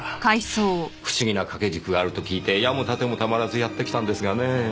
不思議な掛け軸があると聞いて矢も盾もたまらずやって来たんですがねぇ。